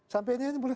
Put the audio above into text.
sampai hari ini